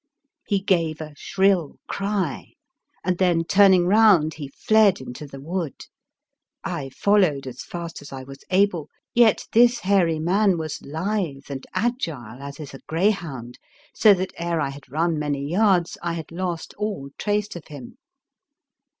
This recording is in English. He gave a shrill cry, and then turn ing round he fled into the wood. I followed as fast as I was able, yet this hairy man was lithe and agile as is a greyhound, so that ere I had run many yards I had lost all trace of him.